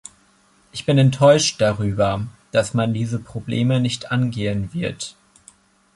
Ich bin enttäuscht darüber, dass man diese Probleme nicht angehen wird.